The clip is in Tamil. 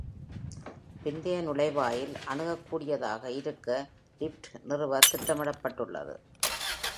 பிந்தைய நுழைவாயில் அணுகக்கூடியதாக இருக்க லிஃப்ட் நிறுவ திட்டமிடப்பட்டுள்ளது.